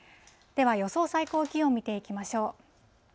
では予想最高気温を見ていきましょう。